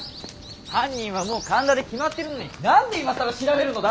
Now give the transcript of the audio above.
犯人はもう神田で決まってるのに何で今更調べるのだ？